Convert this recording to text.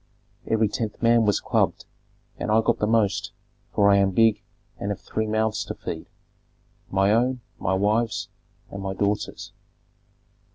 Every tenth man was clubbed, and I got the most, for I am big and have three mouths to feed, my own, my wife's, and my daughter's.